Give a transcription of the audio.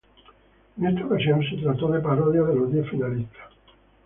En esta ocasión se trató de parodias de los diez finalistas.